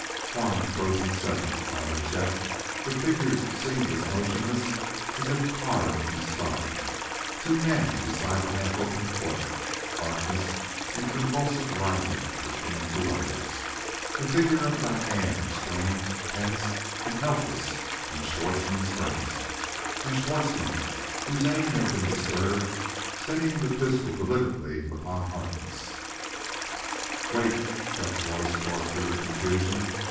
One frozen second, while, to Chet, the figures seemed as motionless as if carved from stone two men beside the half opened port Harkness in convulsive writhing between two others the figure of Diane, strained, tense and helpless in Schwartzmann's grasp and Schwartzmann, whose aim had been disturbed, steadying the pistol deliberately upon Harkness "Wait!" Chet's voice tore through the confusion.